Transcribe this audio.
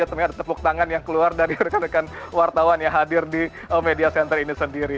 tentunya ada tepuk tangan yang keluar dari rekan rekan wartawan yang hadir di media center ini sendiri